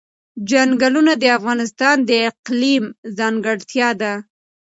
چنګلونه د افغانستان د اقلیم ځانګړتیا ده.